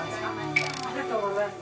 ありがとうございます。